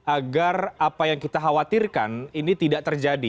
agar apa yang kita khawatirkan ini tidak terjadi